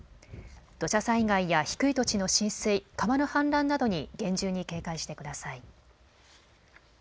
土砂災害や低い土地の浸水、川の氾濫などに厳重に警戒してください。